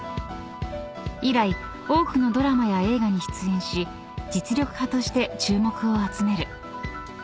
［以来多くのドラマや映画に出演し実力派として注目を集める］